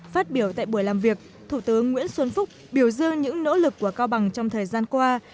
phát biểu tại buổi làm việc thủ tướng nguyễn xuân phúc biểu dương những nỗ lực của cao bằng trong thời gian qua